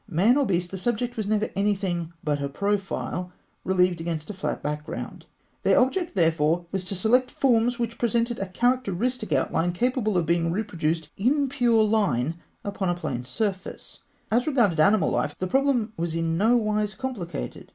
Man or beast, the subject was never anything but a profile relieved against a flat background. Their object, therefore, was to select forms which presented a characteristic outline capable of being reproduced in pure line upon a plane surface. As regarded animal life, the problem was in no wise complicated.